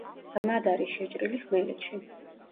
ღრმად არის შეჭრილი ხმელეთში.